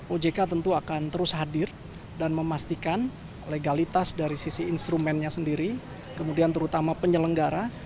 ojk tentu akan terus hadir dan memastikan legalitas dari sisi instrumennya sendiri kemudian terutama penyelenggara